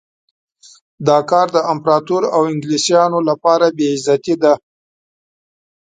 دا کار د امپراطور او انګلیسیانو لپاره بې عزتي ده.